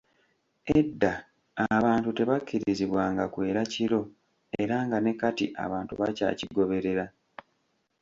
Edda abantu tebakkirizibwanga kwera kiro era nga ne kati abantu bakyakigoberera.